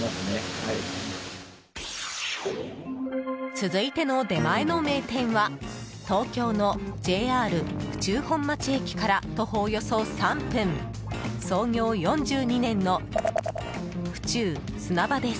続いての出前の名店は東京のＪＲ府中本町駅から徒歩およそ３分創業４２年の府中砂場です。